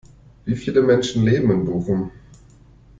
Wie viele Menschen leben in Bochum?